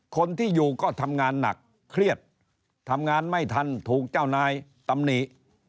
คนที่อยู่ก็ทำงานหนักเครียดทำงานไม่ทันถูกเจ้านายตำหนิ